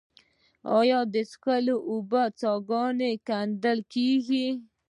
آیا د څښاک اوبو څاګانې کیندل کیږي؟